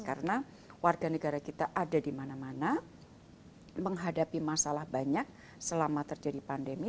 karena warga negara kita ada di mana mana menghadapi masalah banyak selama terjadi pandemi